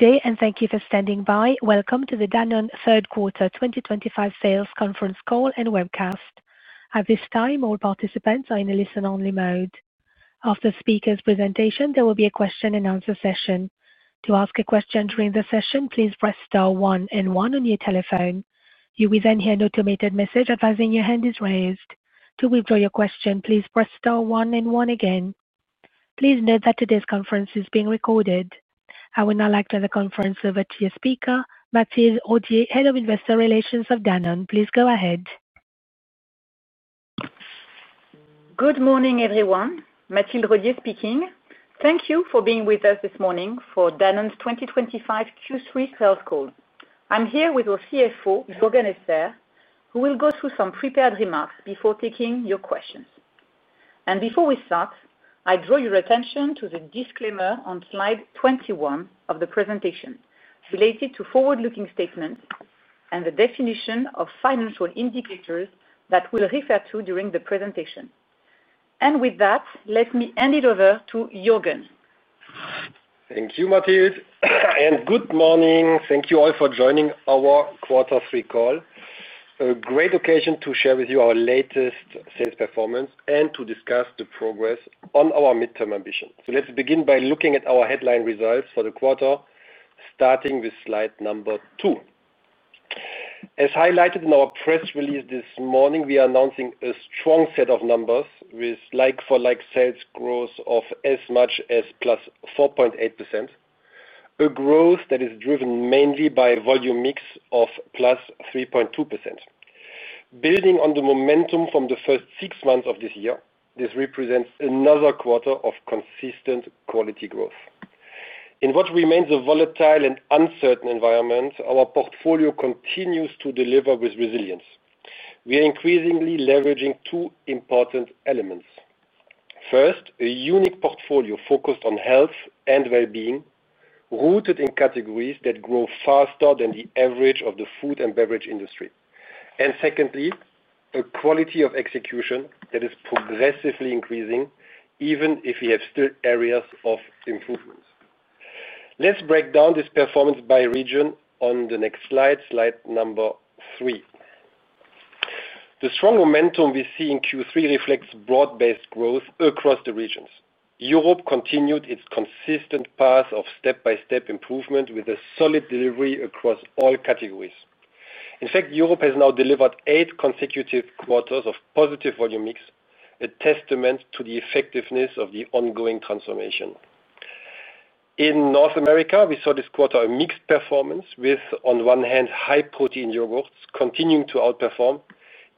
Today, and thank you for standing by. Welcome to the Danone third quarter 2025 sales conference call and webcast. At this time, all participants are in a listen-only mode. After the speaker's presentation, there will be a question-and-answer session. To ask a question during the session, please press star one and one on your telephone. You will then hear an automated message advising your hand is raised. To withdraw your question, please press star one and one again. Please note that today's conference is being recorded. I will now like to hand the conference over to your speaker, Mathilde Rodié, Head of Investor Relations of Danone. Please go ahead. Good morning, everyone. Mathilde Rodié speaking. Thank you for being with us this morning for Danone's 2025 Q3 sales call. I'm here with our CFO, Juergen Esser, who will go through some prepared remarks before taking your questions. Before we start, I draw your attention to the disclaimer on slide 21 of the presentation related to forward-looking statements and the definition of financial indicators that we'll refer to during the presentation. With that, let me hand it over to Juergen. Thank you, Mathilde. And good morning. Thank you all for joining our quarter 3 call. A great occasion to share with you our latest sales performance and to discuss the progress on our midterm ambitions. Let's begin by looking at our headline results for the quarter, starting with slide number two. As highlighted in our press release this morning, we are announcing a strong set of numbers with like-for-like sales growth of as much as +4.8%. A growth that is driven mainly by a volume mix of +3.2%. Building on the momentum from the first six months of this year, this represents another quarter of consistent quality growth. In what remains a volatile and uncertain environment, our portfolio continues to deliver with resilience. We are increasingly leveraging two important elements. First, a unique portfolio focused on health and well-being, rooted in categories that grow faster than the average of the food and beverage industry. Secondly, a quality of execution that is progressively increasing, even if we have still areas of improvement. Let's break down this performance by region on the next slide, slide number three. The strong momentum we see in Q3 reflects broad-based growth across the regions. Europe continued its consistent path of step-by-step improvement with a solid delivery across all categories. In fact, Europe has now delivered eight consecutive quarters of positive volume mix, a testament to the effectiveness of the ongoing transformation. In North America, we saw this quarter a mixed performance with, on one hand, high-protein yogurts continuing to outperform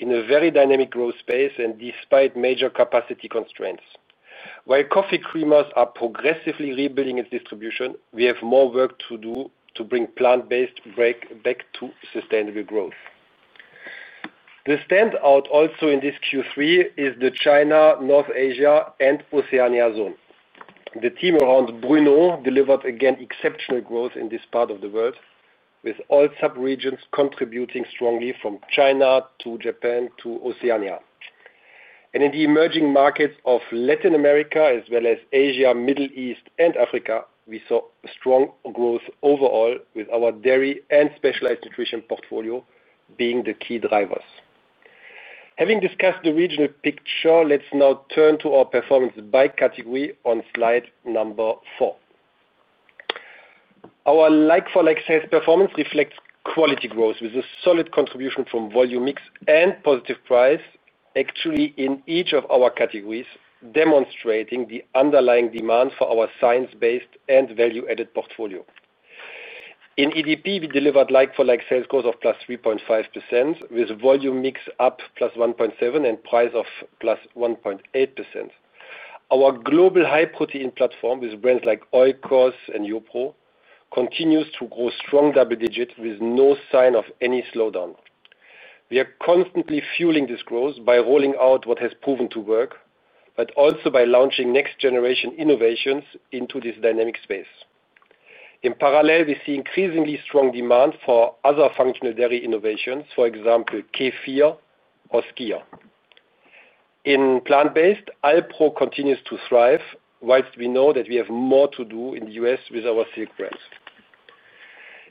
in a very dynamic growth space and despite major capacity constraints. While coffee creamers are progressively rebuilding its distribution, we have more work to do to bring plant-based bread back to sustainable growth. The standout also in this Q3 is the China, North Asia, and Oceania zone. The team around Bruno delivered again exceptional growth in this part of the world, with all subregions contributing strongly from China to Japan to Oceania. In the emerging markets of Latin America, as well as Asia, Middle East, and Africa, we saw strong growth overall, with our dairy and specialized nutrition portfolio being the key drivers. Having discussed the regional picture, let's now turn to our performance by category on slide number four. Our like-for-like sales performance reflects quality growth with a solid contribution from volume mix and positive price, actually in each of our categories, demonstrating the underlying demand for our science-based and value-added portfolio. In EDP, we delivered like-for-like sales growth of +3.5%, with volume mix up +1.7% and price of +1.8%. Our global high-protein platform with brands like Oikos and YoPRO continues to grow strong double-digit with no sign of any slowdown. We are constantly fueling this growth by rolling out what has proven to work, but also by launching next-generation innovations into this dynamic space. In parallel, we see increasingly strong demand for other functional dairy innovations, for example, Kefir or Skyr. In plant-based, Alpro continues to thrive, whilst we know that we have more to do in the U.S. with our Silk brands.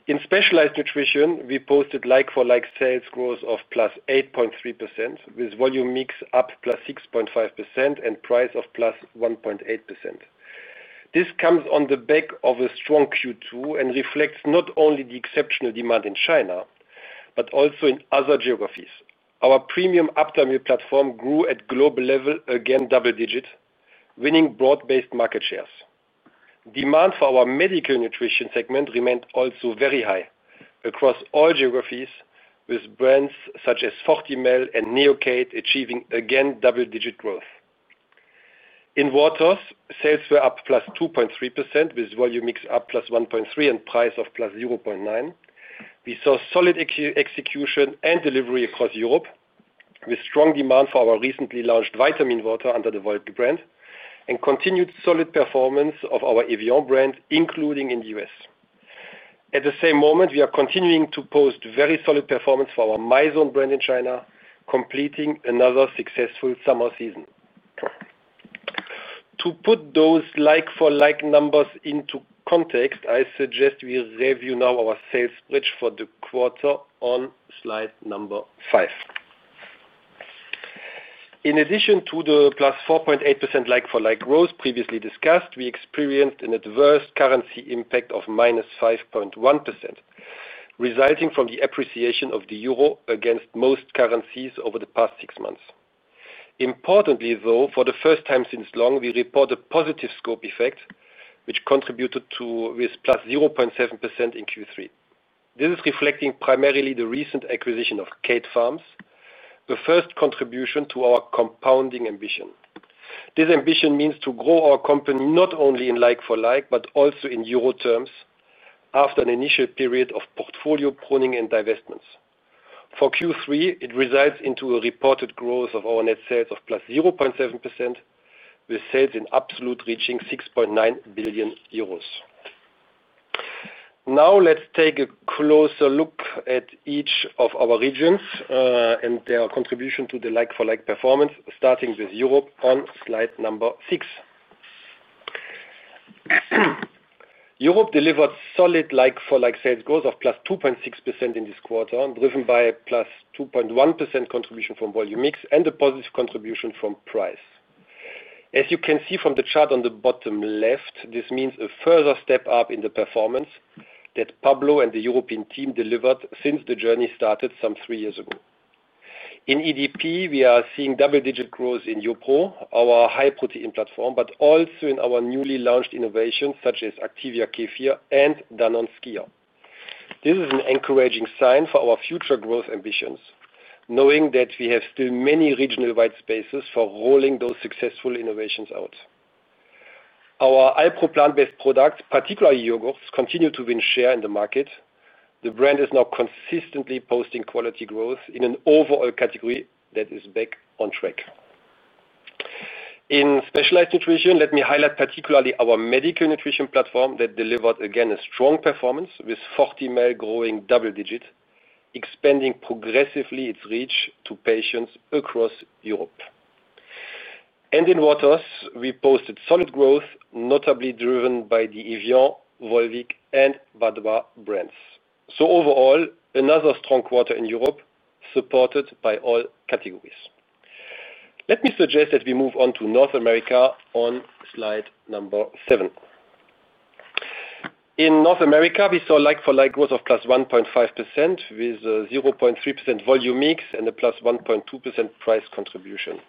In specialized nutrition, we posted like-for-like sales growth of +8.3%, with volume mix up +6.5% and price of +1.8%. This comes on the back of a strong Q2 and reflects not only the exceptional demand in China, but also in other geographies. Our premium Optimil platform grew at global level again double-digit, winning broad-based market shares. Demand for our medical nutrition segment remained also very high across all geographies, with brands such as Fortimel and Neocate achieving again double-digit growth. In waters, sales were up +2.3%, with volume mix up +1.3% and price of +0.9%. We saw solid execution and delivery across Europe, with strong demand for our recently launched vitamin water under the Volvic brand and continued solid performance of our Evian brand, including in the U.S. At the same moment, we are continuing to post very solid performance for our Mizone brand in China, completing another successful summer season. To put those like-for-like numbers into context, I suggest we review now our sales spreads for the quarter on slide number five. In addition to the +4.8% like-for-like growth previously discussed, we experienced an adverse currency impact of -5.1%, resulting from the appreciation of the euro against most currencies over the past six months. Importantly, though, for the first time since long, we report a positive scope effect, which contributed to +0.7% in Q3. This is reflecting primarily the recent acquisition of Kate Farms, a first contribution to our compounding ambition. This ambition means to grow our company not only in like-for-like, but also in euro terms after an initial period of portfolio pruning and divestments. For Q3, it results in a reported growth of our net sales of +0.7%, with sales in absolute reaching 6.9 billion euros. Now let's take a closer look at each of our regions and their contribution to the like-for-like performance, starting with Europe on slide number six. Europe delivered solid like-for-like sales growth of +2.6% in this quarter, driven by a +2.1% contribution from volume mix and a positive contribution from price. As you can see from the chart on the bottom left, this means a further step up in the performance that Pablo and the European team delivered since the journey started some three years ago. In EDP, we are seeing double-digit growth in Yopro, our high-protein platform, but also in our newly launched innovations such as Activia Kefir and Danone Skia. This is an encouraging sign for our future growth ambitions, knowing that we have still many regional-wide spaces for rolling those successful innovations out. Our Alpro plant-based products, particularly yogurts, continue to win share in the market. The brand is now consistently posting quality growth in an overall category that is back on track. In specialized nutrition, let me highlight particularly our medical nutrition platform that delivered again a strong performance with Fortimel growing double-digit, expanding progressively its reach to patients across Europe. In waters, we posted solid growth, notably driven by the Evian, Volvic, and Wadhwa brands. Overall, another strong quarter in Europe supported by all categories. Let me suggest that we move on to North America on slide number seven. In North America, we saw like-for-like growth of +1.5% with 0.3% volume mix and a +1.2% price contribution.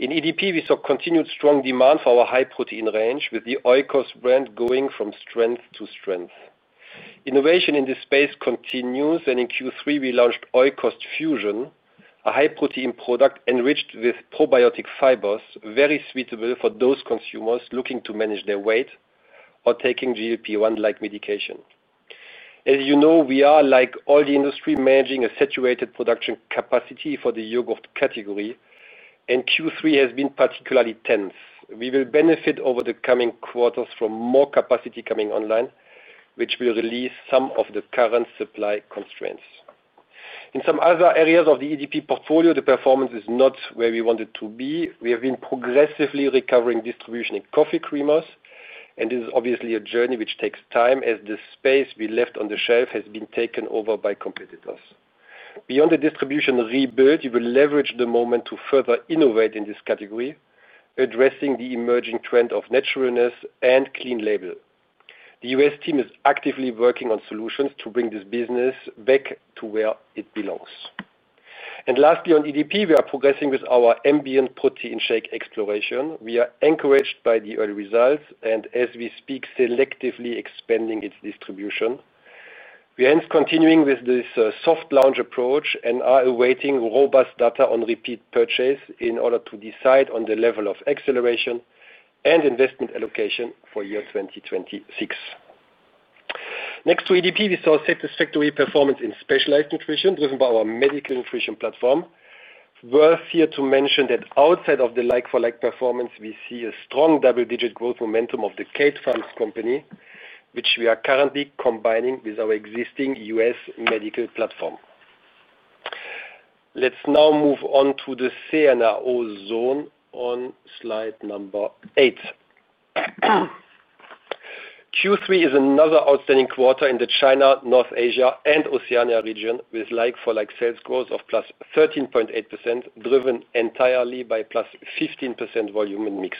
In EDP, we saw continued strong demand for our high-protein range, with the Oikos brand going from strength to strength. Innovation in this space continues, and in Q3, we launched Oikos Fusion, a high-protein product enriched with probiotic fibers, very suitable for those consumers looking to manage their weight or taking GLP-1-like medication. As you know, we are, like all the industry, managing a saturated production capacity for the yogurt category, and Q3 has been particularly tense. We will benefit over the coming quarters from more capacity coming online, which will release some of the current supply constraints. In some other areas of the EDP portfolio, the performance is not where we wanted to be. We have been progressively recovering distribution in coffee creamers, and this is obviously a journey which takes time as the space we left on the shelf has been taken over by competitors. Beyond the distribution rebuild, you will leverage the moment to further innovate in this category, addressing the emerging trend of naturalness and clean label. The U.S. team is actively working on solutions to bring this business back to where it belongs. Lastly, on EDP, we are progressing with our ambient protein shake exploration. We are encouraged by the early results, and as we speak, selectively expanding its distribution. We are hence continuing with this soft launch approach and are awaiting robust data on repeat purchase in order to decide on the level of acceleration and investment allocation for year 2026. Next to EDP, we saw satisfactory performance in specialized nutrition, driven by our medical nutrition platform. Worth here to mention that outside of the like-for-like performance, we see a strong double-digit growth momentum of the Kate Farms company, which we are currently combining with our existing U.S. medical platform. Let's now move on to the CNAO zone on slide number eight. Q3 is another outstanding quarter in the China, North Asia, and Oceania region, with like-for-like sales growth of +13.8%, driven entirely by +15% volume and mix.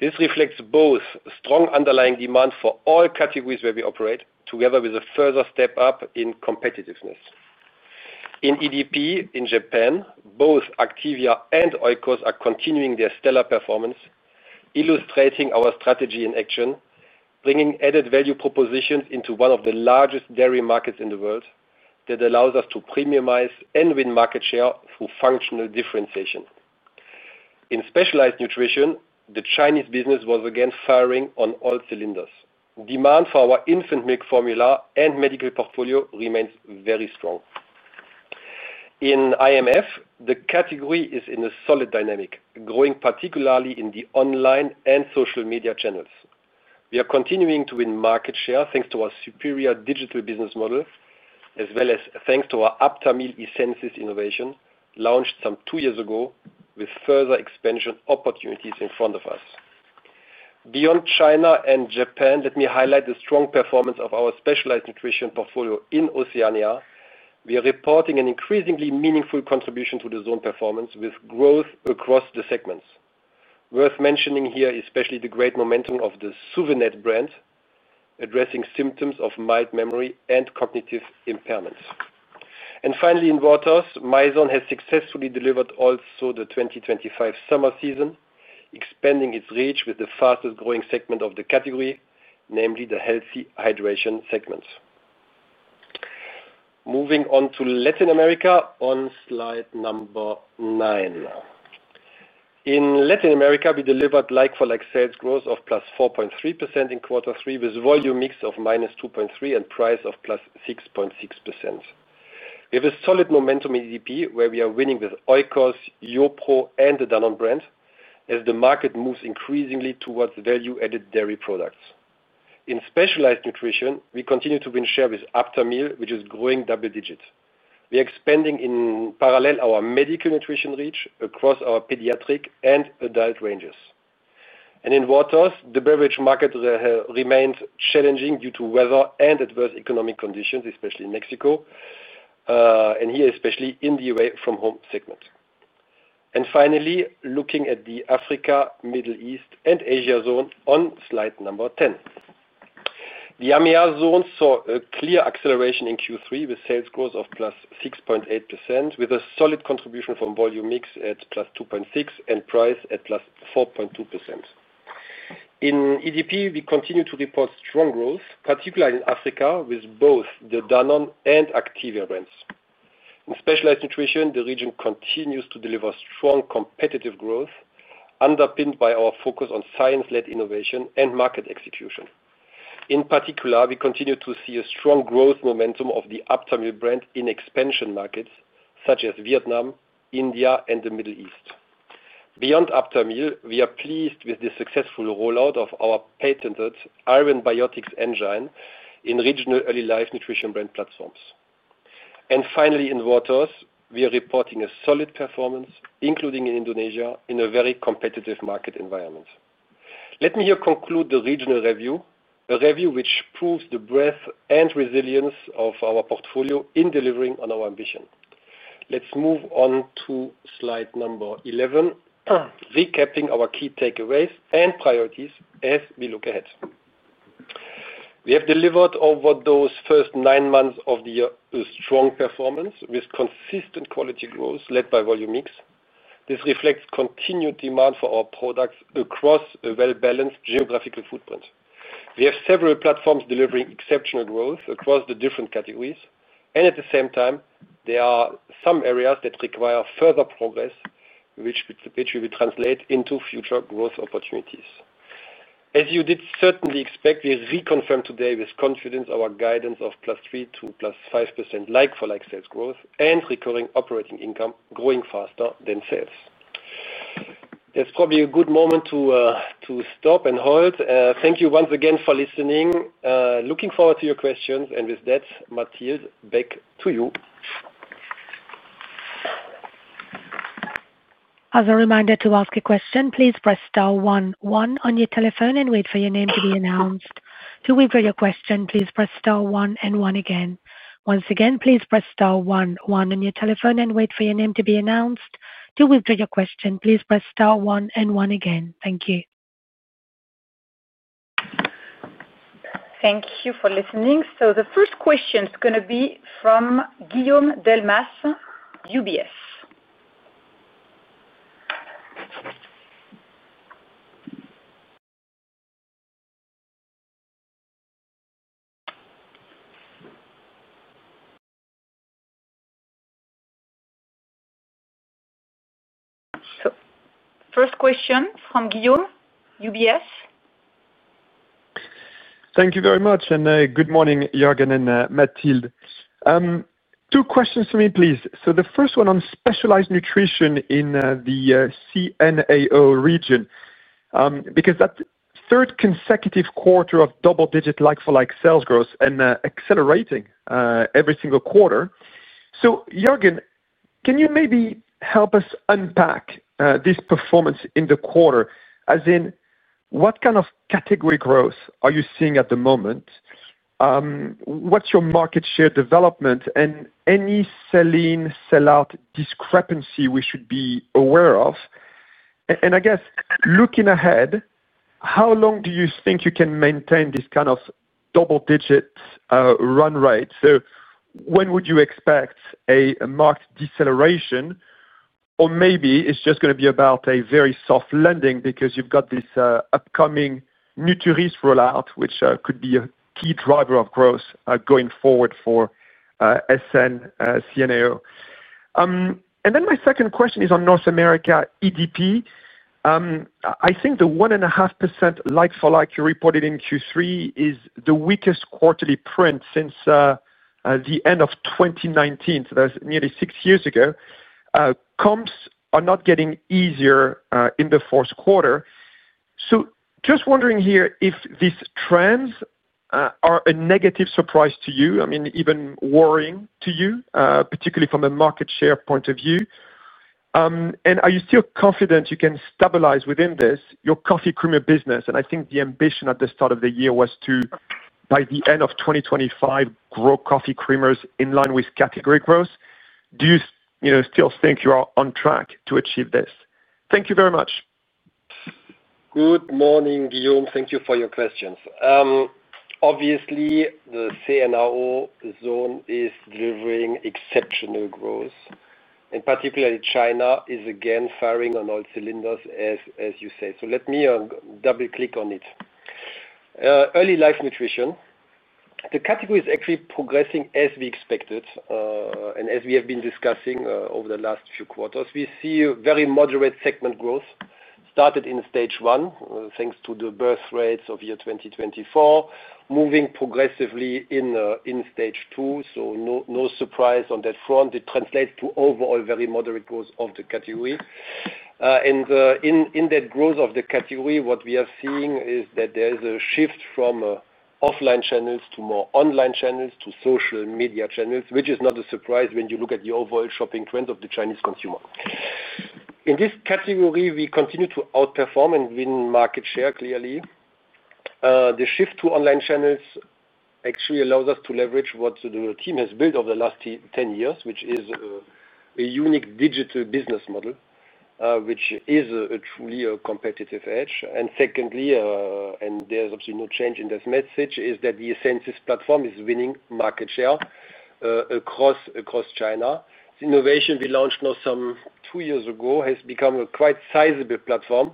This reflects both strong underlying demand for all categories where we operate, together with a further step up in competitiveness. In EDP in Japan, both Activia and Oikos are continuing their stellar performance, illustrating our strategy in action, bringing added value propositions into one of the largest dairy markets in the world that allows us to premiumize and win market share through functional differentiation. In specialized nutrition, the Chinese business was again firing on all cylinders. Demand for our infant milk formula and medical portfolio remains very strong. In IMF, the category is in a solid dynamic, growing particularly in the online and social media channels. We are continuing to win market share thanks to our superior digital business model, as well as thanks to our Aptamil Essensis innovation launched some two years ago, with further expansion opportunities in front of us. Beyond China and Japan, let me highlight the strong performance of our specialized nutrition portfolio in Oceania. We are reporting an increasingly meaningful contribution to the zone performance with growth across the segments. Worth mentioning here is especially the great momentum of the Souvenet brand, addressing symptoms of mild memory and cognitive impairments. Finally, in waters, Mizone has successfully delivered also the 2025 summer season, expanding its reach with the fastest growing segment of the category, namely the healthy hydration segments. Moving on to Latin America on slide number nine. In Latin America, we delivered like-for-like sales growth of +4.3% in quarter three with a volume mix of -2.3% and price of +6.6%. We have a solid momentum in EDP where we are winning with Oikos, YoPRO, and the Danone brand as the market moves increasingly towards value-added dairy products. In specialized nutrition, we continue to win share with Aptamil, which is growing double-digit. We are expanding in parallel our medical nutrition reach across our pediatric and adult ranges. In waters, the beverage market remains challenging due to weather and adverse economic conditions, especially in Mexico, and here especially in the away-from-home segment. Finally, looking at the Africa, Middle East, and Asia zone on slide number ten. The AMEA zone saw a clear acceleration in Q3 with sales growth of +6.8%, with a solid contribution from volume mix at +2.6% and price at +4.2%. In EDP, we continue to report strong growth, particularly in Africa, with both the Danone and Activia brands. In specialized nutrition, the region continues to deliver strong competitive growth, underpinned by our focus on science-led innovation and market execution. In particular, we continue to see a strong growth momentum of the Optimil brand in expansion markets such as Vietnam, India, and the Middle East. Beyond Aptamil, we are pleased with the successful rollout of our patented iron biotics engine in regional early life nutrition brand platforms. Finally, in waters, we are reporting a solid performance, including in Indonesia, in a very competitive market environment. Let me here conclude the regional review, a review which proves the breadth and resilience of our portfolio in delivering on our ambition. Let's move on to slide number 11, recapping our key takeaways and priorities as we look ahead. We have delivered over those first nine months of the year a strong performance with consistent quality growth led by volume mix. This reflects continued demand for our products across a well-balanced geographical footprint. We have several platforms delivering exceptional growth across the different categories, and at the same time, there are some areas that require further progress, which will translate into future growth opportunities. As you did certainly expect, we reconfirmed today with confidence our guidance of +3% to +5% like-for-like sales growth and recurring operating income growing faster than sales. That's probably a good moment to stop and hold. Thank you once again for listening. Looking forward to your questions. With that, Mathilde, back to you. As a reminder to ask a question, please press star one, one on your telephone and wait for your name to be announced. To withdraw your question, please press star one and one again. Once again, please press star one, one on your telephone and wait for your name to be announced. To withdraw your question, please press star one and one again. Thank you. Thank you for listening. The first question is going to be from Guillaume Delmas, UBS. First question from Guillaume, UBS. Thank you very much. And good morning, Juergen and Mathilde. Two questions for me, please. The first one on specialized nutrition in the CNAO region, because that third consecutive quarter of double-digit like-for-like sales growth and accelerating every single quarter. Juergen, can you maybe help us unpack this performance in the quarter? As in, what kind of category growth are you seeing at the moment? What's your market share development and any selling sell-out discrepancy we should be aware of? I guess, looking ahead, how long do you think you can maintain this kind of double-digit run rate? When would you expect a marked deceleration? Maybe it's just going to be about a very soft landing because you've got this upcoming NutriRisk rollout, which could be a key driver of growth going forward for SN CNAO. My second question is on North America EDP. I think the 1.5% like-for-like you reported in Q3 is the weakest quarterly print since the end of 2019, so that's nearly six years ago. Comps are not getting easier in the first quarter. Just wondering here if these trends are a negative surprise to you? I mean, even worrying to you, particularly from a market share point of view? Are you still confident you can stabilize within this your coffee creamer business? I think the ambition at the start of the year was to, by the end of 2025, grow coffee creamers in line with category growth. Do you still think you are on track to achieve this? Thank you very much. Good morning, Guillaume. Thank you for your questions. Obviously, the CNAO zone is delivering exceptional growth, and particularly China is again firing on all cylinders, as you say. Let me double-click on it. Early life nutrition, the category is actually progressing as we expected. As we have been discussing over the last few quarters, we see very moderate segment growth started in stage one, thanks to the birth rates of year 2024, moving progressively in stage two. No surprise on that front. It translates to overall very moderate growth of the category. In that growth of the category, what we are seeing is that there is a shift from offline channels to more online channels to social media channels, which is not a surprise when you look at the overall shopping trends of the Chinese consumer. In this category, we continue to outperform and win market share clearly. The shift to online channels actually allows us to leverage what the team has built over the last 10 years, which is a unique digital business model, which is truly a competitive edge. Secondly, and there's absolutely no change in this message, the Essensis platform is winning market share across China. The innovation we launched now some two years ago has become a quite sizable platform,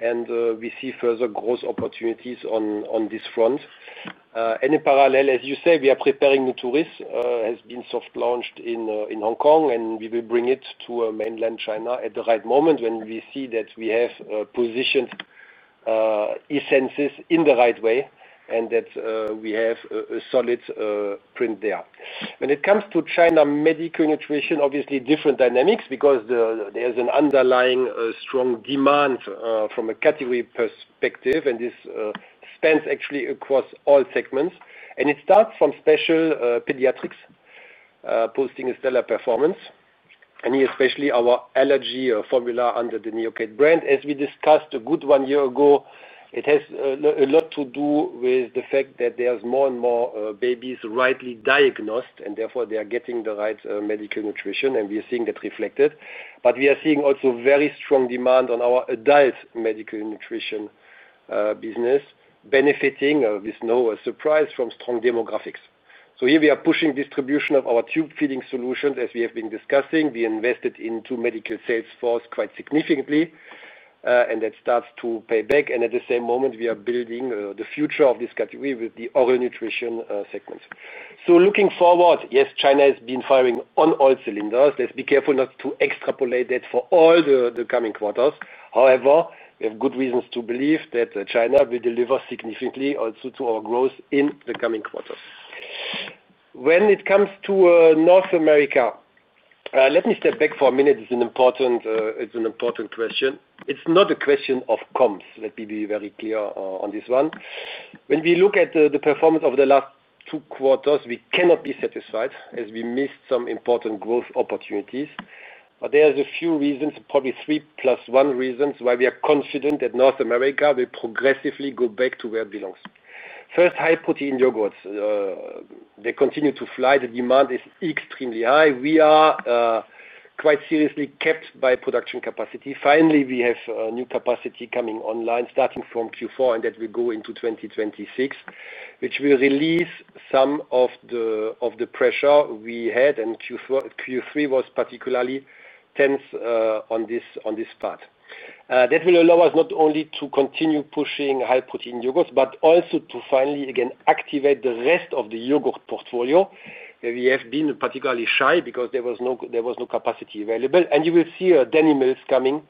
and we see further growth opportunities on this front. In parallel, as you say, we are preparing NutriRisk, has been soft launched in Hong Kong, and we will bring it to mainland China at the right moment when we see that we have positioned Essences in the right way and that we have a solid print there. When it comes to China medical nutrition, obviously different dynamics because there's an underlying strong demand from a category perspective, and this spans actually across all segments. It starts from special pediatrics posting a stellar performance, and here especially our allergy formula under the Neocate brand. As we discussed a good one year ago, it has a lot to do with the fact that there's more and more babies rightly diagnosed, and therefore they are getting the right medical nutrition, and we are seeing that reflected. We are seeing also very strong demand on our adult medical nutrition business, benefiting, with no surprise, from strong demographics. Here we are pushing distribution of our tube feeding solutions, as we have been discussing. We invested into medical sales force quite significantly, and that starts to pay back. At the same moment, we are building the future of this category with the oral nutrition segment. Looking forward, yes, China has been firing on all cylinders. Let's be careful not to extrapolate that for all the coming quarters. However, we have good reasons to believe that China will deliver significantly also to our growth in the coming quarters. When it comes to North America, let me step back for a minute. It's an important question. It's not a question of comps. Let me be very clear on this one. When we look at the performance of the last two quarters, we cannot be satisfied as we missed some important growth opportunities. There are a few reasons, probably three plus one reasons, why we are confident that North America will progressively go back to where it belongs. First, high-protein yogurts. They continue to fly. The demand is extremely high. We are quite seriously kept by production capacity. Finally, we have new capacity coming online, starting from Q4, and that will go into 2026, which will release some of the pressure we had. Q3 was particularly tense on this part. That will allow us not only to continue pushing high-protein yogurts, but also to finally, again, activate the rest of the yogurt portfolio. We have been particularly shy because there was no capacity available. You will see Danimals coming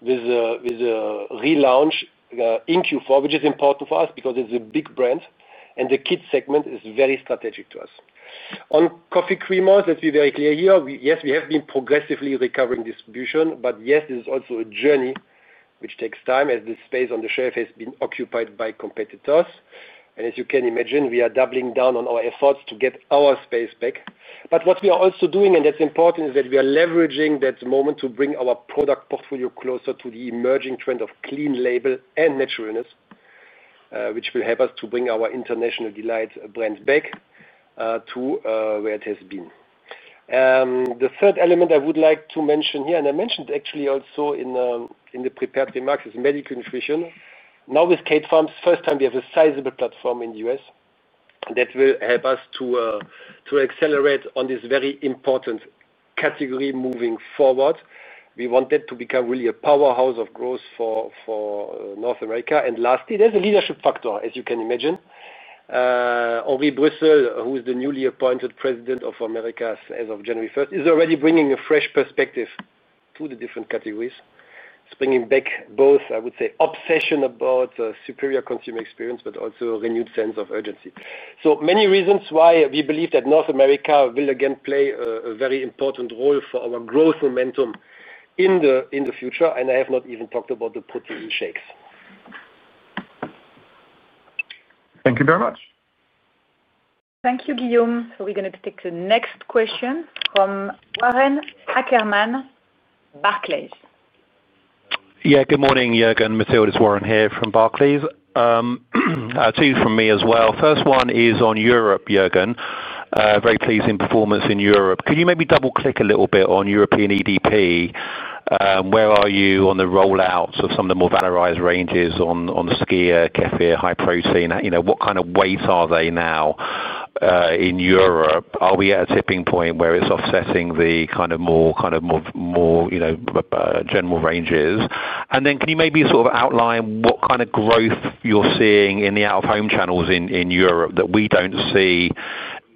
with a relaunch in Q4, which is important for us because it's a big brand and the kids' segment is very strategic to us. On coffee creamers, let me be very clear here. Yes, we have been progressively recovering distribution, but yes, this is also a journey which takes time as the space on the shelf has been occupied by competitors. As you can imagine, we are doubling down on our efforts to get our space back. What we are also doing, and that's important, is that we are leveraging that moment to bring our product portfolio closer to the emerging trend of clean label and naturalness, which will help us to bring our International Delight brand back to where it has been. The third element I would like to mention here, and I mentioned actually also in the prepared remarks, is medical nutrition. Now with Kate Farms, first time we have a sizable platform in the U.S. That will help us to accelerate on this very important category moving forward. We want that to become really a powerhouse of growth for North America. Lastly, there's a leadership factor, as you can imagine. Henri Bruxelles, who is the newly appointed President of America as of January 1, is already bringing a fresh perspective to the different categories. It's bringing back both, I would say, obsession about superior consumer experience, but also a renewed sense of urgency. There are so many reasons why we believe that North America will again play a very important role for our growth momentum in the future. I have not even talked about the protein shakes. Thank you very much. Thank you, Guillaume. We are going to take the next question from Warren Ackerman, Barclays. Yeah, good morning, Juergen. Mathilde, it's Warren here from Barclays. Two from me as well. First one is on Europe, Juergen. Very pleasing performance in Europe. Can you maybe double-click a little bit on European EDP? Where are you on the rollouts of some of the more valorized ranges on Skyr, Kefir, high protein? What kind of weights are they now in Europe? Are we at a tipping point where it's offsetting the kind of more general ranges? Can you maybe outline what kind of growth you're seeing in the out-of-home channels in Europe that we don't see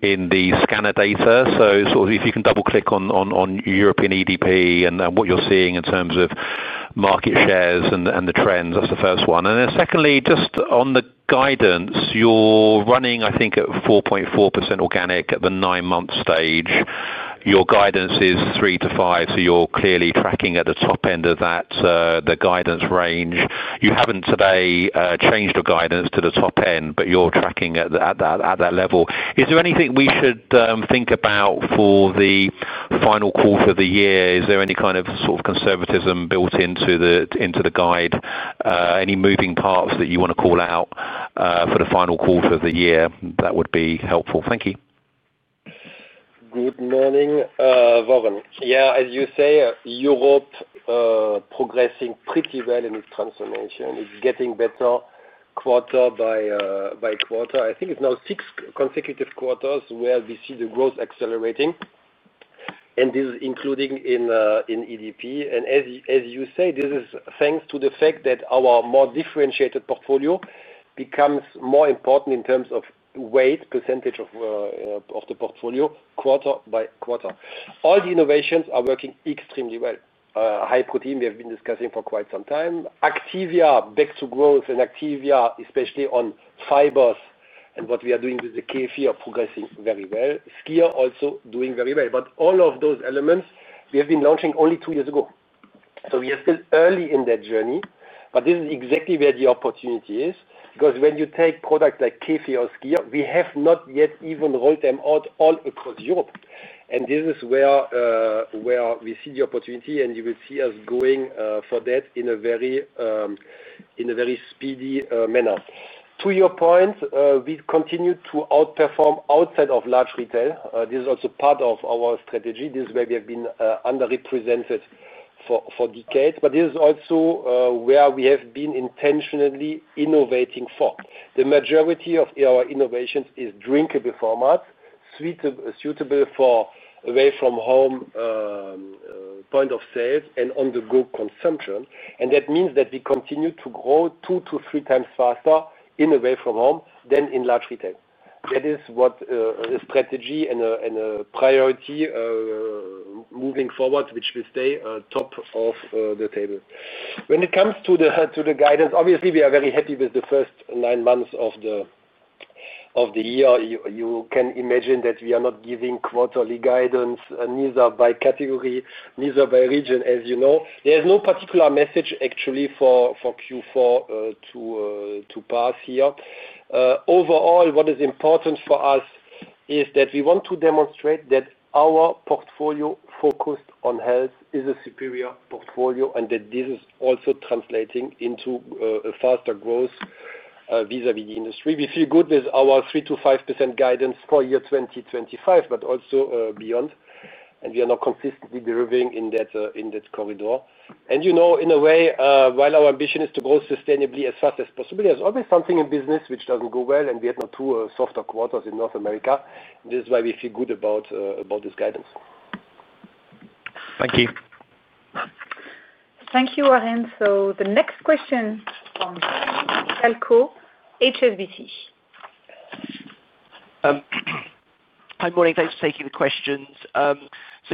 in the scanner data? If you can double-click on European EDP and what you're seeing in terms of market shares and the trends, that's the first one. Secondly, just on the guidance, you're running, I think, at 4.4% organic at the nine-month stage. Your guidance is 3%-5%, so you're clearly tracking at the top end of that guidance range. You haven't today changed your guidance to the top end, but you're tracking at that level. Is there anything we should think about for the final quarter of the year? Is there any sort of conservatism built into the guide? Any moving parts that you want to call out for the final quarter of the year? That would be helpful. Thank you. Good morning, Warren. Yeah, as you say, Europe is progressing pretty well in its transformation. It's getting better quarter by quarter. I think it's now six consecutive quarters where we see the growth accelerating. This is including in EDP. As you say, this is thanks to the fact that our more differentiated portfolio becomes more important in terms of weight, percentage of the portfolio quarter by quarter. All the innovations are working extremely well. High protein, we have been discussing for quite some time. Activia, back to growth, and Activia, especially on fibers and what we are doing with the Kefir, are progressing very well. Skyr also doing very well. All of those elements, we have been launching only two years ago. We are still early in that journey. This is exactly where the opportunity is because when you take products like Kefir or Skyr, we have not yet even rolled them out all across Europe. This is where we see the opportunity, and you will see us going for that in a very speedy manner. To your point, we continue to outperform outside of large retail. This is also part of our strategy. This is where we have been underrepresented for decades. This is also where we have been intentionally innovating for. The majority of our innovations is drinkable formats, suitable for away-from-home point of sales and on-the-go consumption. That means that we continue to grow two to three times faster in away-from-home than in large retail. That is what a strategy and a priority moving forward, which will stay top of the table. When it comes to the guidance, obviously, we are very happy with the first nine months of the year. You can imagine that we are not giving quarterly guidance, neither by category, neither by region. As you know, there's no particular message actually for Q4 to pass here. Overall, what is important for us is that we want to demonstrate that our portfolio focused on health is a superior portfolio and that this is also translating into a faster growth vis-à-vis the industry. We feel good with our 3%-5% guidance for year 2025, but also beyond. We are now consistently delivering in that corridor. In a way, while our ambition is to grow sustainably as fast as possible, there's always something in business which doesn't go well, and we had two softer quarters in North America. This is why we feel good about this guidance. Thank you. Thank you, Warren. The next question is from, HSBC. Hi, morning. Thanks for taking the questions.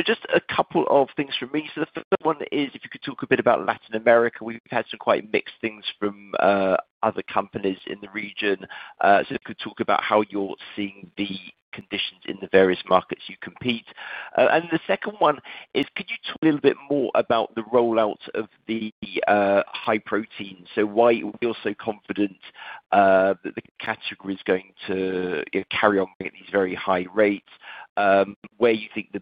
Just a couple of things from me. The first one is if you could talk a bit about Latin America. We've had some quite mixed things from other companies in the region. If you could talk about how you're seeing the conditions in the various markets you compete in. The second one is, could you talk a little bit more about the rollouts of the high protein? Why are we also confident that the category is going to carry on bringing these very high rates? Where you think the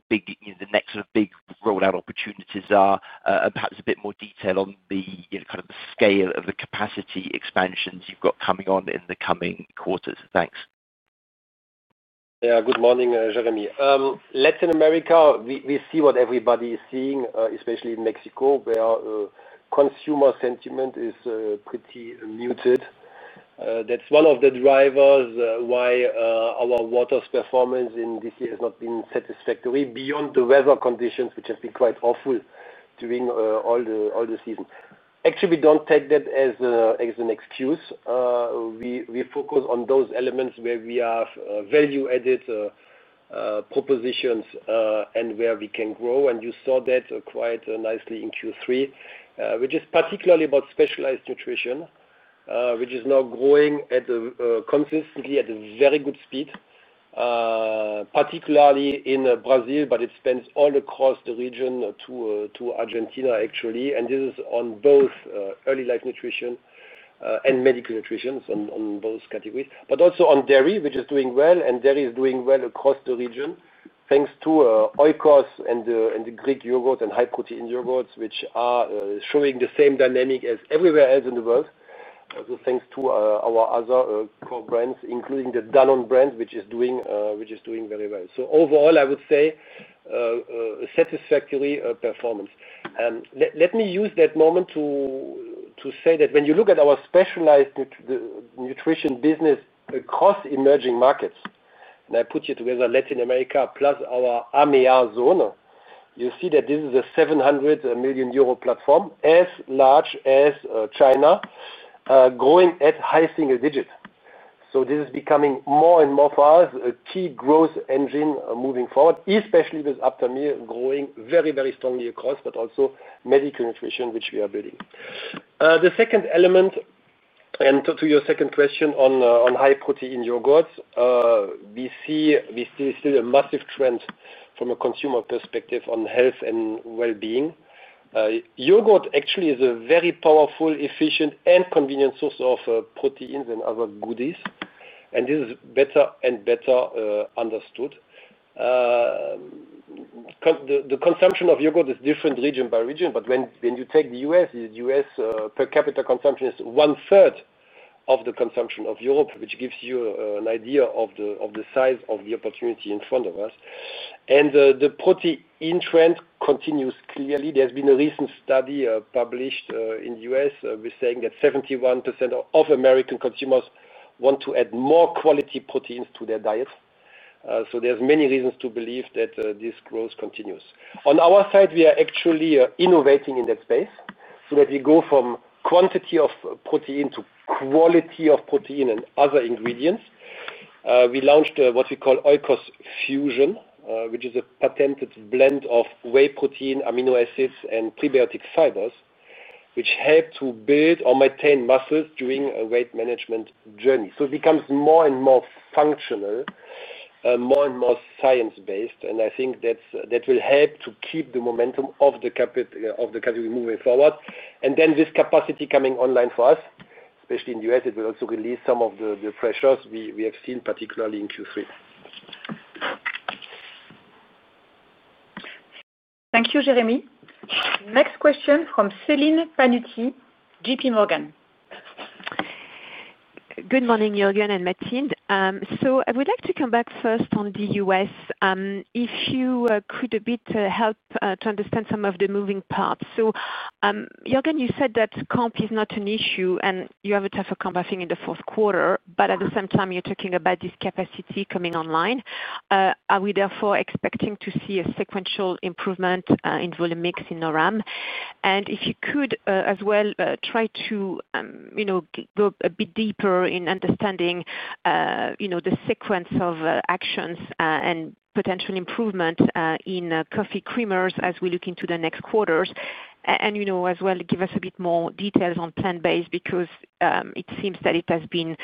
next sort of big rollout opportunities are, and perhaps a bit more detail on the kind of the scale of the capacity expansions you've got coming on in the coming quarters. Thanks. Yeah, good morning, Jeremy. Latin America, we see what everybody is seeing, especially in Mexico, where consumer sentiment is pretty muted. That's one of the drivers why our water's performance in this year has not been satisfactory beyond the weather conditions, which have been quite awful during all the season. Actually, we don't take that as an excuse. We focus on those elements where we have value-added propositions and where we can grow. You saw that quite nicely in Q3, which is particularly about specialized nutrition, which is now growing consistently at a very good speed, particularly in Brazil, but it spans all across the region to Argentina, actually. This is on both early life nutrition and medical nutrition, so on both categories, but also on dairy, which is doing well. Dairy is doing well across the region, thanks to Oikos and the Greek yogurt and high protein yogurts, which are showing the same dynamic as everywhere else in the world. Thanks to our other core brands, including the Danone brand, which is doing very well. Overall, I would say a satisfactory performance. Let me use that moment to say that when you look at our specialized nutrition business across emerging markets, and I put you together Latin America plus our AMEA zone, you see that this is a 700 million euro platform as large as China, growing at high single digits. This is becoming more and more for us a key growth engine moving forward, especially with Optimil growing very, very strongly across, but also medical nutrition, which we are building. The second element, and to your second question on high protein yogurts, we see still a massive trend from a consumer perspective on health and well-being. Yogurt actually is a very powerful, efficient, and convenient source of proteins and other goodies, and this is better and better understood. The consumption of yogurt is different region by region, but when you take the U.S., the U.S. per capita consumption is one-third of the consumption of Europe, which gives you an idea of the size of the opportunity in front of us. The protein trend continues clearly. There's been a recent study published in the U.S. saying that 71% of American consumers want to add more quality proteins to their diet. There are many reasons to believe that this growth continues. On our side, we are actually innovating in that space so that we go from quantity of protein to quality of protein and other ingredients. We launched what we call Oikos Fusion, which is a patented blend of whey protein, amino acids, and prebiotic fibers, which help to build or maintain muscles during a weight management journey. It becomes more and more functional, more and more science-based, and I think that will help to keep the momentum of the category moving forward. This capacity coming online for us, especially in the U.S., will also release some of the pressures we have seen, particularly in Q3. Thank you, Jeremy. Next question from Celine Pannuti, JPMorgan. Good morning, Juergen and Mathilde. I would like to come back first on the U.S. If you could a bit help to understand some of the moving parts. Juergen, you said that comp is not an issue and you have a tougher comp, I think, in the fourth quarter, but at the same time, you're talking about this capacity coming online. Are we therefore expecting to see a sequential improvement in volume mix in North America? If you could as well try to go a bit deeper in understanding the sequence of actions and potential improvement in coffee creamers as we look into the next quarters, and you know as well give us a bit more details on plant-based because it seems that it has been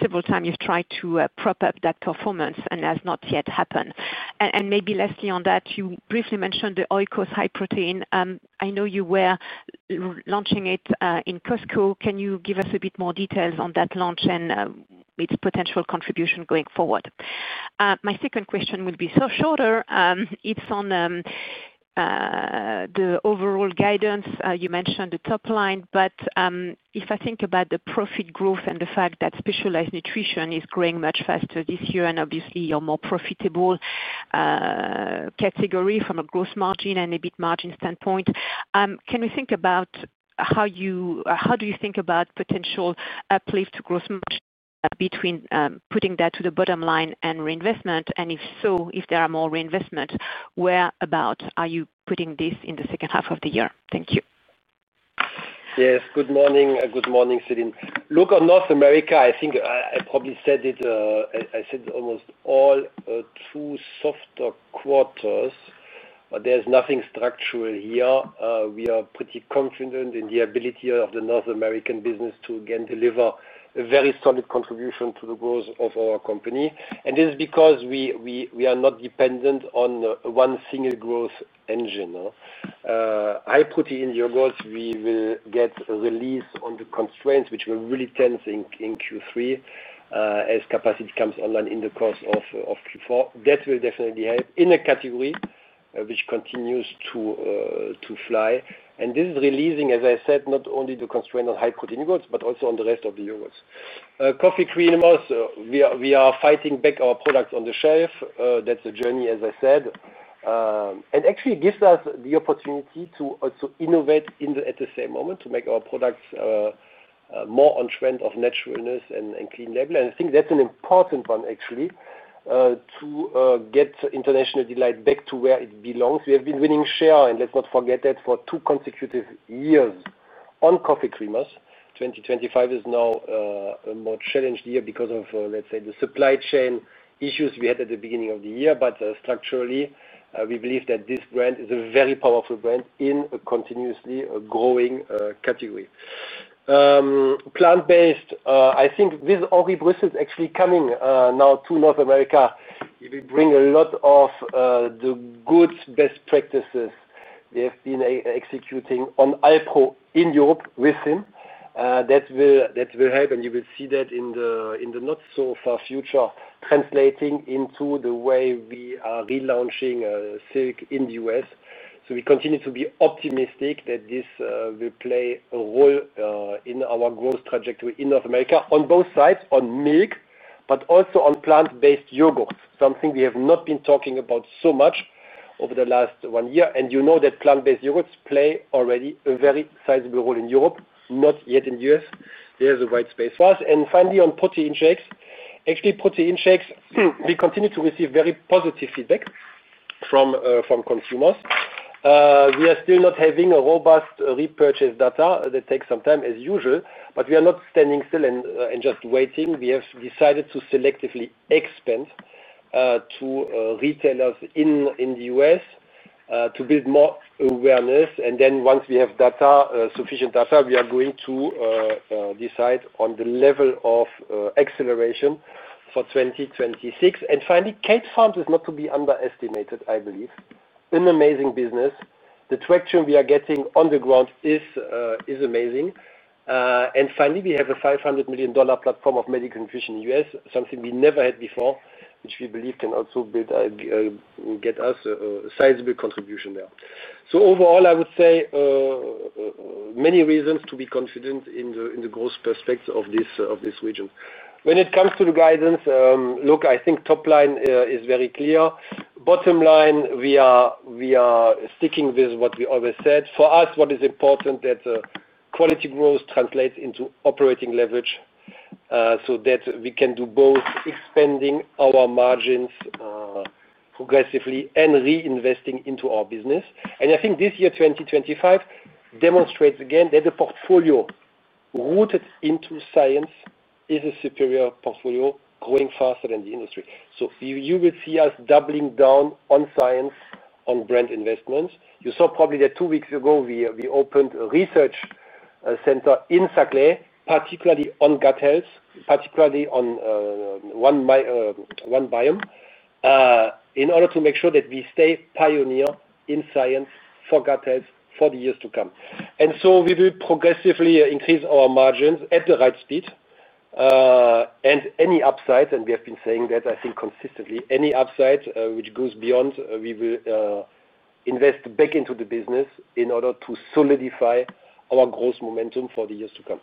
several times you've tried to prop up that performance and has not yet happened. Maybe lastly on that, you briefly mentioned the Oikos high protein. I know you were launching it in Costco. Can you give us a bit more details on that launch and its potential contribution going forward? My second question will be shorter. It's on the overall guidance. You mentioned the top line, but if I think about the profit growth and the fact that specialized nutrition is growing much faster this year and obviously a more profitable category from a gross margin and EBIT margin standpoint, can we think about how you think about potential uplift to gross margin between putting that to the bottom line and reinvestment? If so, if there are more reinvestments, whereabouts are you putting this in the second half of the year? Thank you. Yes, good morning. Good morning, Celine. Look, on North America, I think I probably said it. I said almost all two softer quarters, but there's nothing structural here. We are pretty confident in the ability of the North American business to again deliver a very solid contribution to the growth of our company. This is because we are not dependent on one single growth engine. High protein yogurts, we will get a release on the constraints, which were really tense in Q3 as capacity comes online in the course of Q4. That will definitely help in a category which continues to fly. This is releasing, as I said, not only the constraint on high protein yogurts, but also on the rest of the yogurts. Coffee creamers, we are fighting back our products on the shelf. That's a journey, as I said, and actually gives us the opportunity to also innovate at the same moment to make our products more on trend of naturalness and clean label. I think that's an important one, actually, to get International Delight back to where it belongs. We have been winning share, and let's not forget that for two consecutive years on coffee creamers. 2025 is now a more challenged year because of, let's say, the supply chain issues we had at the beginning of the year. Structurally, we believe that this brand is a very powerful brand in a continuously growing category. Plant-based, I think with Henri Bruxelles actually coming now to North America, he will bring a lot of the good best practices they have been executing on Alpro in Europe with him. That will help, and you will see that in the not-so-far future, translating into the way we are relaunching Silk in the U.S. We continue to be optimistic that this will play a role in our growth trajectory in North America on both sides, on milk, but also on plant-based yogurts, something we have not been talking about so much over the last one year. You know that plant-based yogurts play already a very sizable role in Europe, not yet in the U.S. There's a wide space for us. Finally, on protein shakes, actually, protein shakes, we continue to receive very positive feedback from consumers. We are still not having a robust repurchase data. That takes some time, as usual, but we are not standing still and just waiting. We have decided to selectively expand to retailers in the U.S. to build more awareness. Once we have sufficient data, we are going to decide on the level of acceleration for 2026. Finally, Kate Farms is not to be underestimated, I believe. An amazing business. The traction we are getting on the ground is amazing. Finally, we have a $500 million platform of medical nutrition in the U.S., something we never had before, which we believe can also get us a sizable contribution there. Overall, I would say many reasons to be confident in the growth perspective of this region. When it comes to the guidance, look, I think top line is very clear. Bottom line, we are sticking with what we always said. For us, what is important is that quality growth translates into operating leverage so that we can do both expanding our margins progressively and reinvesting into our business. I think this year, 2025, demonstrates again that the portfolio rooted into science is a superior portfolio growing faster than the industry. You will see us doubling down on science, on brand investments. You saw probably that two weeks ago, we opened a research center in Saclay, particularly on gut health, particularly on one biome, in order to make sure that we stay pioneer in science for gut health for the years to come. We will progressively increase our margins at the right speed. Any upsides, and we have been saying that, I think, consistently, any upside which goes beyond, we will invest back into the business in order to solidify our growth momentum for the years to come.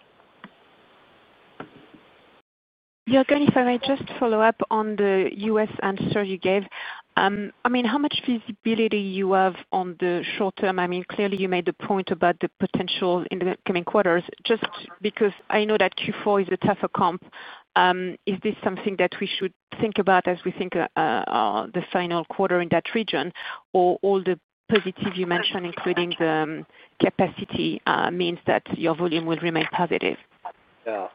Juergen, if I may just follow up on the U.S. answer you gave, I mean, how much visibility do you have on the short term? I mean, clearly, you made the point about the potential in the coming quarters. Just because I know that Q4 is a tougher comp, is this something that we should think about as we think of the final quarter in that region, or all the positive you mentioned, including the capacity, means that your volume will remain positive?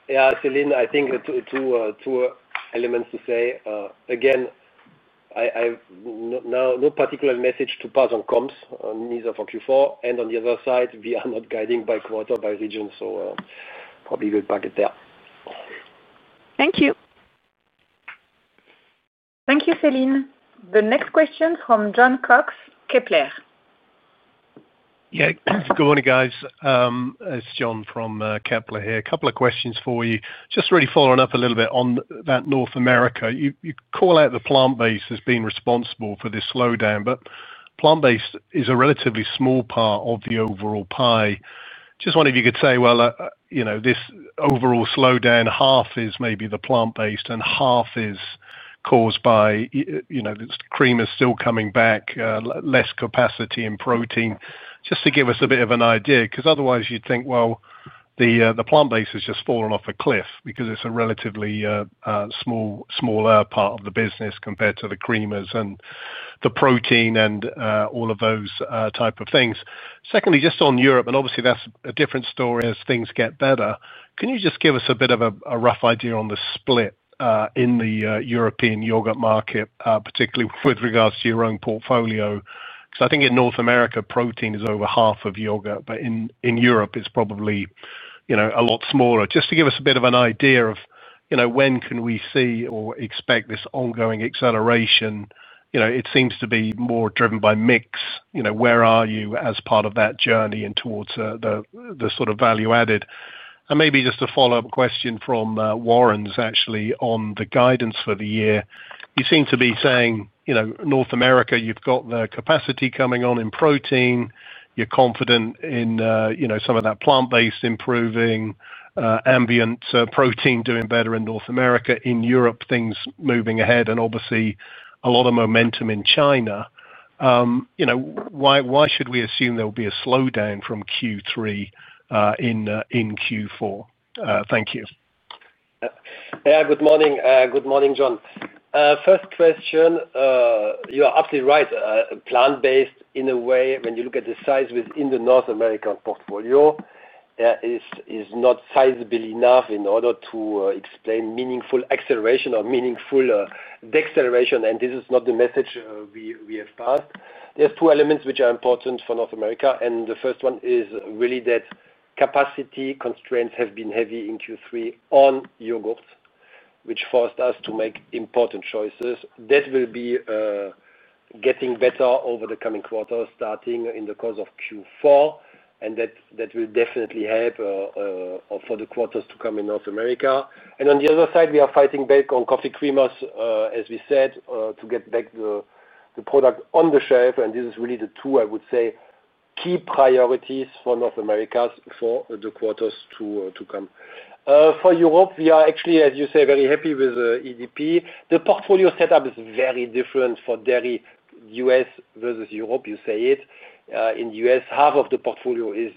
Yeah, Celine, I think two elements to say. Again, I have no particular message to pass on comps, neither for Q4. On the other side, we are not guiding by quarter, by region, so probably we'll park it there. Thank you. Thank you, Celine. The next question is from Jon Cox, Kepler. Good morning, guys. It's Jon from Kepler here. A couple of questions for you. Just really following up a little bit on that North America. You call out the plant-based as being responsible for this slowdown, but plant-based is a relatively small part of the overall pie. Just wonder if you could say, this overall slowdown, half is maybe the plant-based and half is caused by the creamers still coming back, less capacity in protein, just to give us a bit of an idea because otherwise you'd think the plant-based has just fallen off a cliff because it's a relatively smaller part of the business compared to the creamers and the protein and all of those types of things. Secondly, just on Europe, and obviously that's a different story as things get better, can you just give us a bit of a rough idea on the split in the European yogurt market, particularly with regards to your own portfolio? I think in North America, protein is over half of yogurt, but in Europe, it's probably a lot smaller. Just to give us a bit of an idea of when can we see or expect this ongoing acceleration. It seems to be more driven by mix. Where are you as part of that journey and towards the sort of value added? Maybe just a follow-up question from Warren's, actually, on the guidance for the year. You seem to be saying North America, you've got the capacity coming on in protein. You're confident in some of that plant-based improving, ambient protein doing better in North America. In Europe, things moving ahead and obviously a lot of momentum in China. Why should we assume there will be a slowdown from Q3 in Q4? Thank you. Good morning. Good morning, John. First question, you are absolutely right. Plant-based, in a way, when you look at the size within the North American portfolio, it is not sizable enough in order to explain meaningful acceleration or meaningful deceleration. This is not the message we have passed. There are two elements which are important for North America. The first one is really that capacity constraints have been heavy in Q3 on yogurt, which forced us to make important choices. That will be getting better over the coming quarters, starting in the course of Q4. That will definitely help for the quarters to come in North America. On the other side, we are fighting back on coffee creamers, as we said, to get back the product on the shelf. This is really the two, I would say, key priorities for North America for the quarters to come. For Europe, we are actually, as you say, very happy with EDP. The portfolio setup is very different for dairy. U.S. versus Europe, you say it. In the U.S., half of the portfolio is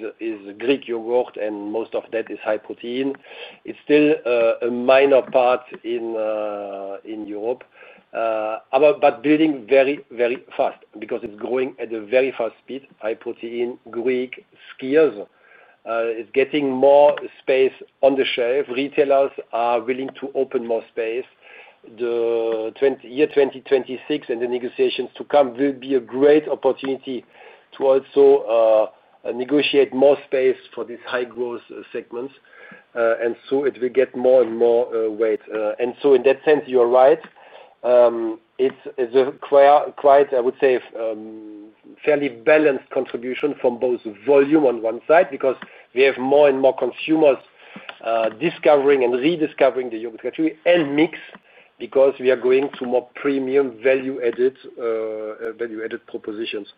Greek yogurt, and most of that is high protein. It's still a minor part in Europe, but building very, very fast because it's growing at a very fast speed. High protein, Greek, Skia is getting more space on the shelf. Retailers are willing to open more space. The year 2026 and the negotiations to come will be a great opportunity to also negotiate more space for these high-growth segments. It will get more and more weight. In that sense, you're right. It's a quite, I would say, fairly balanced contribution from both volume on one side because we have more and more consumers discovering and rediscovering the yogurt category and mix because we are going to more premium value-added propositions.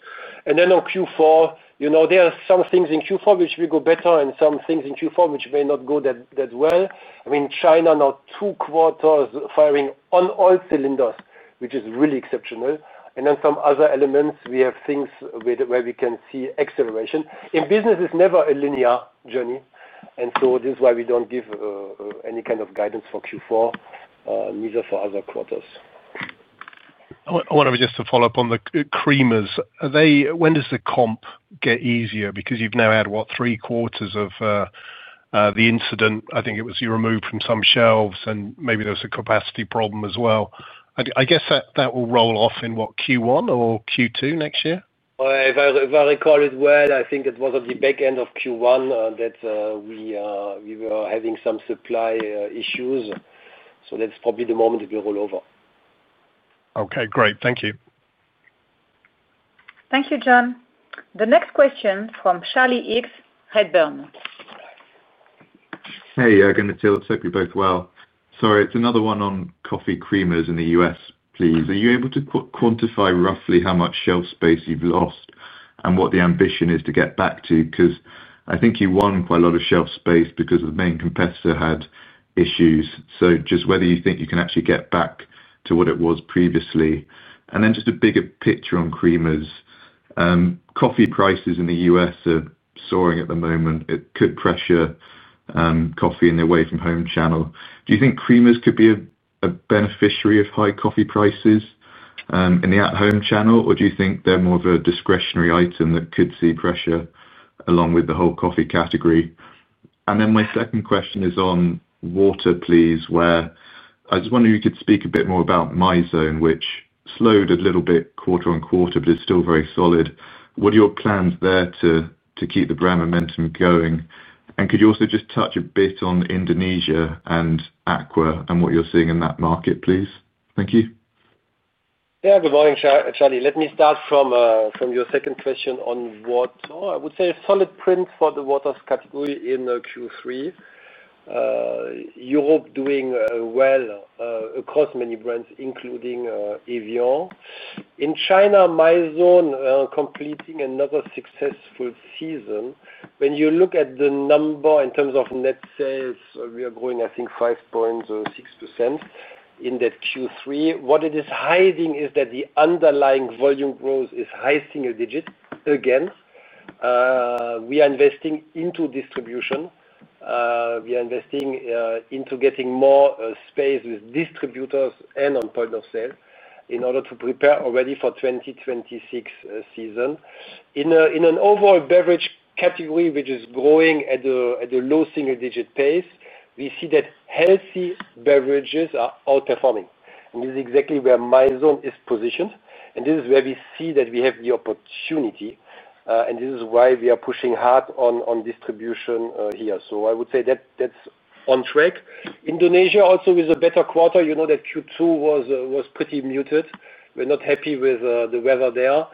On Q4, you know, there are some things in Q4 which will go better and some things in Q4 which may not go that well. I mean, China now two quarters firing on all cylinders, which is really exceptional. Some other elements, we have things where we can see acceleration. In business, it's never a linear journey. This is why we don't give any kind of guidance for Q4, neither for other quarters. I want to just follow up on the creamers. When does the comp get easier? Because you've now had, what, three quarters of the incident. I think it was you removed from some shelves, and maybe there was a capacity problem as well. I guess that will roll off in, what, Q1 or Q2 next year? If I recall it well, I think it was at the back end of Q1 that we were having some supply issues. That's probably the moment we roll over. Okay, great. Thank you. Thank you, Jon. The next question is from Charlie Higgs, Redburn. Hey, Juergen. Hope you're both well. Sorry, it's another one on coffee creamers in the U.S., please. Are you able to quantify roughly how much shelf space you've lost and what the ambition is to get back to? I think you won quite a lot of shelf space because the main competitor had issues. Just whether you think you can actually get back to what it was previously. A bigger picture on creamers: coffee prices in the U.S. are soaring at the moment. It could pressure coffee in the away-from-home channel. Do you think creamers could be a beneficiary of high coffee prices in the at-home channel, or do you think they're more of a discretionary item that could see pressure along with the whole coffee category? My second question is on water, please, where I just wonder if you could speak a bit more about Mizone, which slowed a little bit quarter on quarter, but is still very solid. What are your plans there to keep the brand momentum going? Could you also just touch a bit on Indonesia and Aqua and what you're seeing in that market, please? Thank you. Yeah, good morning, Charlie. Let me start from your second question on what I would say is a solid print for the water's category in Q3. Europe is doing well across many brands, including Evian. In China, Mizone completed another successful season. When you look at the number in terms of net sales, we are growing, I think, 5.6% in that Q3. What it is hiding is that the underlying volume growth is high single digits again. We are investing into distribution. We are investing into getting more space with distributors and on point of sale in order to prepare already for the 2026 season. In an overall beverage category, which is growing at a low single-digit pace, we see that healthy beverages are outperforming. This is exactly where Mizone is positioned. This is where we see that we have the opportunity. This is why we are pushing hard on distribution here. I would say that that's on track. Indonesia also is a better quarter. You know that Q2 was pretty muted. We're not happy with the weather there.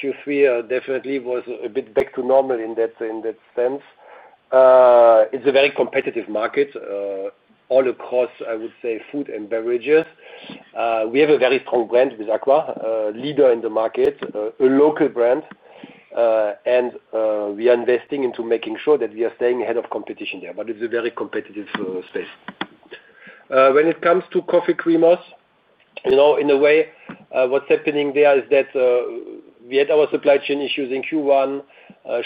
Q3 definitely was a bit back to normal in that sense. It's a very competitive market all across, I would say, food and beverages. We have a very strong brand with Aqua, a leader in the market, a local brand. We are investing into making sure that we are staying ahead of competition there. It's a very competitive space. When it comes to coffee creamers, you know, in a way, what's happening there is that we had our supply chain issues in Q1.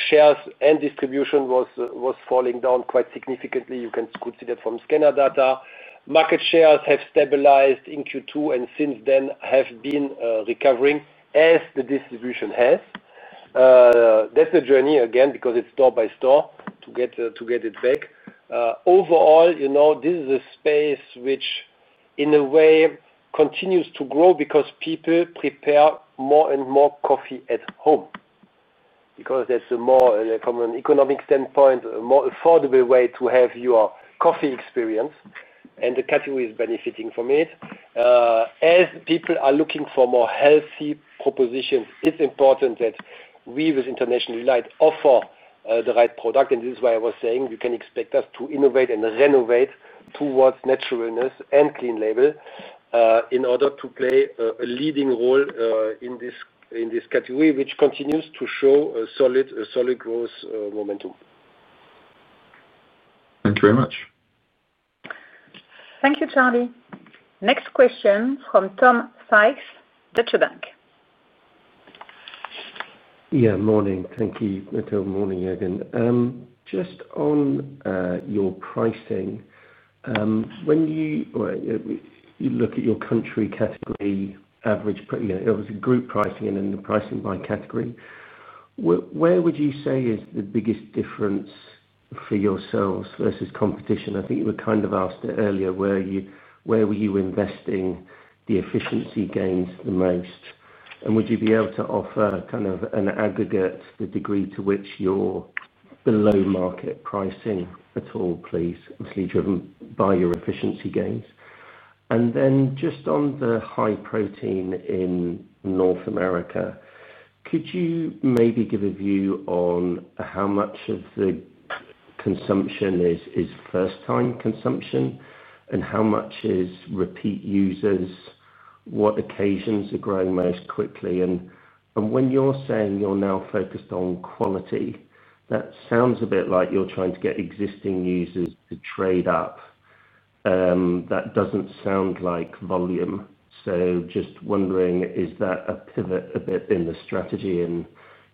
Shares and distribution were falling down quite significantly. You can see that from scanner data. Market shares have stabilized in Q2 and since then have been recovering as the distribution has. That's a journey, again, because it's door by door to get it back. Overall, you know, this is a space which, in a way, continues to grow because people prepare more and more coffee at home. That's a more common economic standpoint, a more affordable way to have your coffee experience. The category is benefiting from it. As people are looking for more healthy propositions, it's important that we, with International Delight, offer the right product. This is why I was saying you can expect us to innovate and renovate towards naturalness and clean label in order to play a leading role in this category, which continues to show a solid growth momentum. Thank you very much. Thank you, Charlie. Next question from Tom Sykes, Deutsche Bank. Yeah, morning. Thank you, Juergen. Just on your pricing, when you look at your country category, average, obviously group pricing, and then the pricing by category, where would you say is the biggest difference for yourselves versus competition? I think you were kind of asked earlier, where were you investing the efficiency gains the most? Would you be able to offer kind of an aggregate, the degree to which you're below market pricing at all, please, obviously driven by your efficiency gains? Just on the high protein in North America, could you maybe give a view on how much of the consumption is first-time consumption and how much is repeat users? What occasions are growing most quickly? When you're saying you're now focused on quality, that sounds a bit like you're trying to get existing users to trade up. That doesn't sound like volume. Just wondering, is that a pivot a bit in the strategy in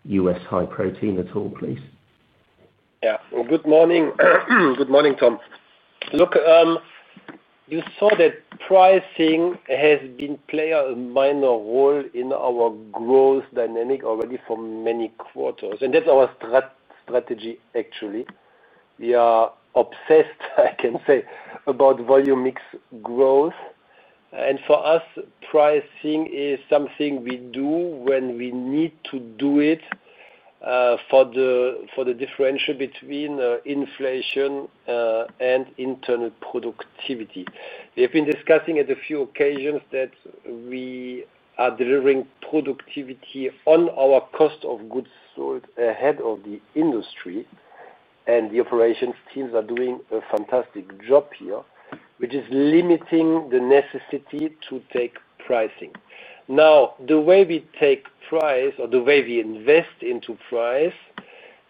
U.S. high protein at all, please? Good morning. Good morning, Tom. You saw that pricing has been playing a minor role in our growth dynamic already for many quarters. That is our strategy, actually. We are obsessed, I can say, about volume mix growth. For us, pricing is something we do when we need to do it for the differential between inflation and internal productivity. We have been discussing at a few occasions that we are delivering productivity on our cost of goods sold ahead of the industry. The operations teams are doing a fantastic job here, which is limiting the necessity to take pricing. The way we take price or the way we invest into price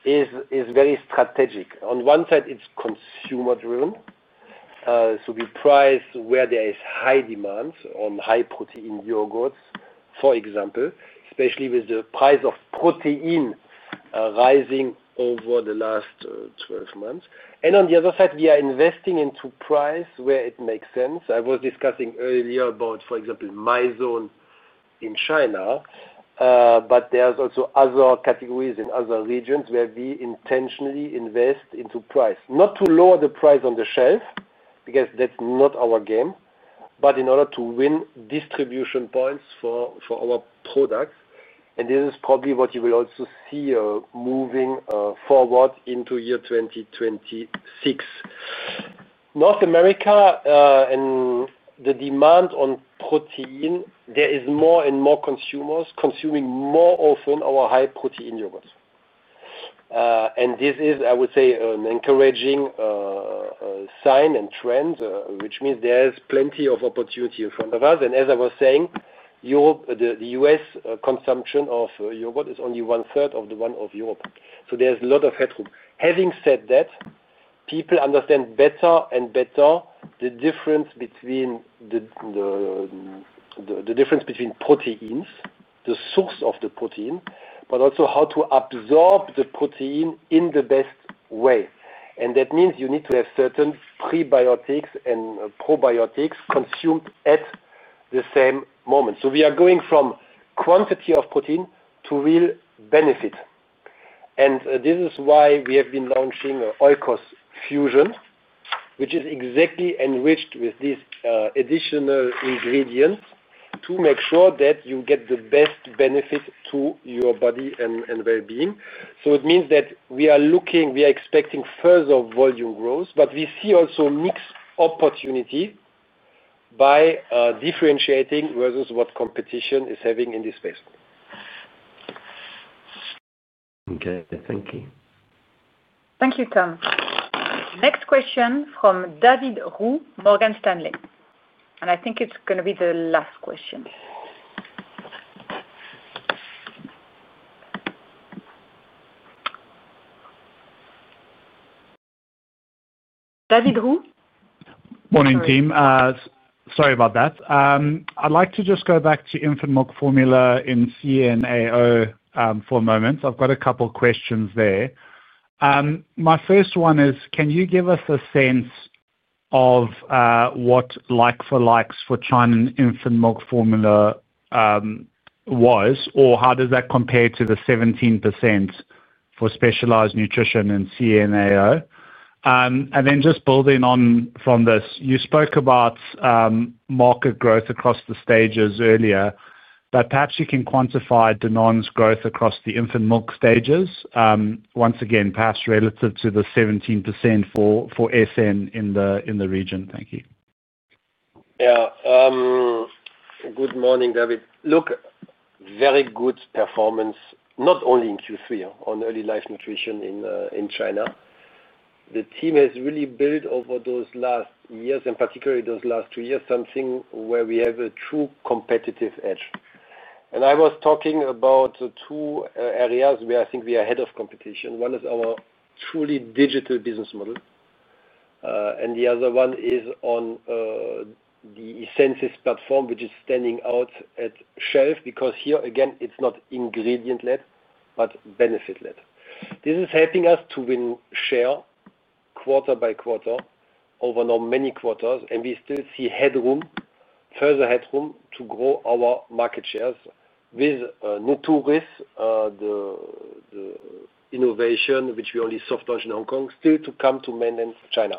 is very strategic. On one side, it is consumer-driven. We price where there is high demand on high protein yogurts, for example, especially with the price of protein rising over the last 12 months. On the other side, we are investing into price where it makes sense. I was discussing earlier about, for example, Mizone in China. There are also other categories in other regions where we intentionally invest into price, not to lower the price on the shelf because that is not our game, but in order to win distribution points for our products. This is probably what you will also see moving forward into year 2026. North America and the demand on protein, there are more and more consumers consuming more often our high protein yogurts. This is, I would say, an encouraging sign and trend, which means there is plenty of opportunity in front of us. As I was saying, the U.S. consumption of yogurt is only one-third of the one of Europe. There is a lot of headroom. Having said that, people understand better and better the difference between proteins, the source of the protein, but also how to absorb the protein in the best way. That means you need to have certain prebiotics and probiotics consumed at the same moment. We are going from quantity of protein to real benefit. This is why we have been launching Oikos Fusion, which is exactly enriched with these additional ingredients to make sure that you get the best benefit to your body and well-being. It means that we are looking, we are expecting further volume growth, but we see also mixed opportunity by differentiating versus what competition is having in this space. Okay. Thank you. Thank you, Tom. Next question from David Roux, Morgan Stanley. I think it's going to be the last question. David Roux. Morning, team. Sorry about that. I'd like to just go back to infant milk formula in CNAO for a moment. I've got a couple of questions there. My first one is, can you give us a sense of what like-for-likes for China infant milk formula was, or how does that compare to the 17% for specialized nutrition in CNAO? Then just building on from this, you spoke about market growth across the stages earlier, but perhaps you can quantify Danone's growth across the infant milk stages, once again, perhaps relative to the 17% for SN in the region. Thank you. Good morning, David. Very good performance, not only in Q3, on early life nutrition in China. The team has really built over those last years, and particularly those last two years, something where we have a true competitive edge. I was talking about two areas where I think we are ahead of competition. One is our truly digital business model. The other one is on the Essensis platform, which is standing out at shelf because here, again, it's not ingredient-led, but benefit-led. This is helping us to win share quarter by quarter over now many quarters, and we still see further headroom to grow our market shares with Nuturis, the innovation, which we only soft-launched in Hong Kong, still to come to mainland China.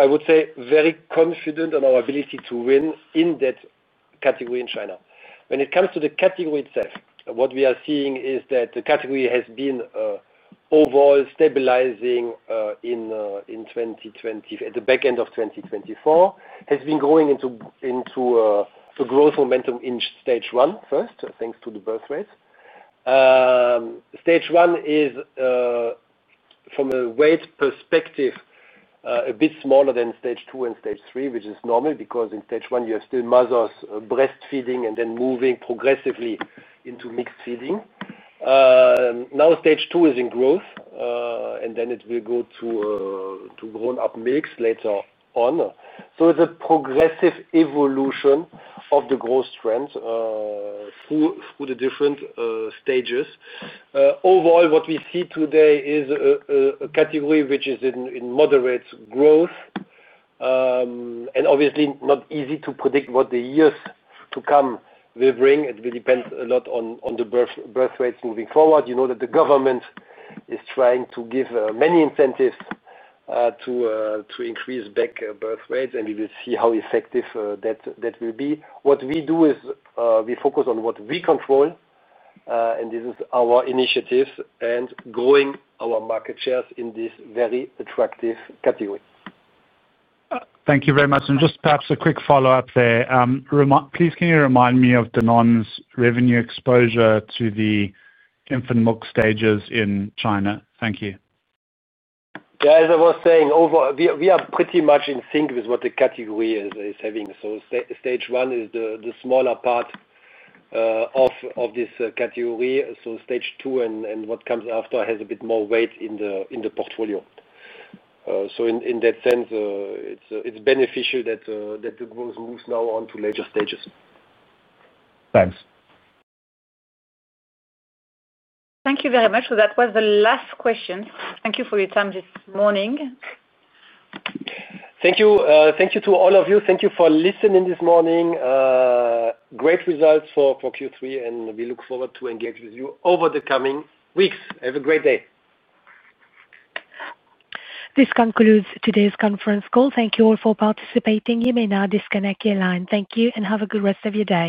I would say very confident on our ability to win in that category in China. When it comes to the category itself, what we are seeing is that the category has been overall stabilizing in the back end of 2024, has been growing into a growth momentum in stage one first, thanks to the birth rates. Stage one is from a weight perspective a bit smaller than stage two and stage three, which is normal because in stage one, you have still mothers breastfeeding and then moving progressively into mixed feeding. Now stage two is in growth, and it will go to grown-up mix later on. It's a progressive evolution of the growth trend through the different stages. Overall, what we see today is a category which is in moderate growth. Obviously, not easy to predict what the years to come will bring. It will depend a lot on the birth rates moving forward. You know that the government is trying to give many incentives to increase back birth rates, and we will see how effective that will be. What we do is we focus on what we control, and this is our initiatives and growing our market shares in this very attractive category. Thank you very much. Just perhaps a quick follow-up there. Please, can you remind me of Danone's revenue exposure to the infant milk stages in China? Thank you. As I was saying, we are pretty much in sync with what the category is having. Stage one is the smaller part of this category. Stage two and what comes after has a bit more weight in the portfolio. In that sense, it's beneficial that the growth moves now on to later stages. Thanks. Thank you very much. That was the last question. Thank you for your time this morning. Thank you. Thank you to all of you. Thank you for listening this morning. Great results for Q3, and we look forward to engaging with you over the coming weeks. Have a great day. This concludes today's conference call. Thank you all for participating. You may now disconnect your line. Thank you and have a good rest of your day.